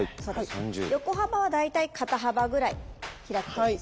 横幅は大体肩幅ぐらい開いて下さい。